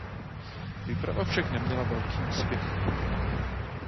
Výprava však neměla velký úspěch.